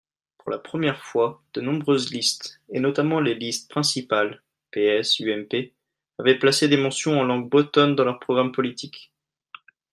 Pour la première fois, de nombreuses listes, et notamment les listes principales (PS, UMP), avaient placé des mentions en langue bretonne dans leurs programmes politiques.